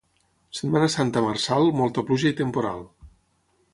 Setmana Santa marçal, molta pluja i temporal.